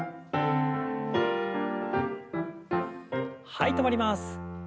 はい止まります。